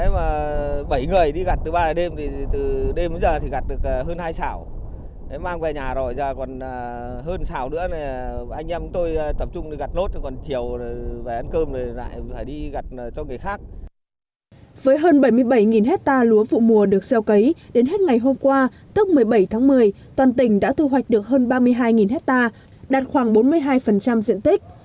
với hơn bảy mươi bảy hectare lúa vụ mùa được xeo cấy đến hết ngày hôm qua tức một mươi bảy tháng một mươi toàn tỉnh đã thu hoạch được hơn ba mươi hai hectare đạt khoảng bốn mươi hai diện tích